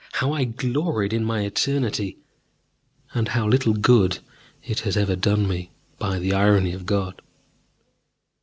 How I gloried in my eternity! And how little good it has ever done me, by the irony of God.